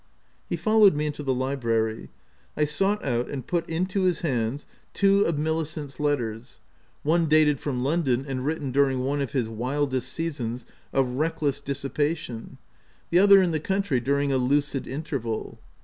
He followed me into the library. I sought out and put into his hands two of Milicent's OF WILDFELL HALL. 93 letters ; one dated from London and written during one of his wildest seasons of wreckless dissipation ; the other in the country during a lucid interval.